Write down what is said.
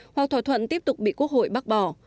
hoặc thỏa thuận tiếp tục bị quốc hội bác bỏ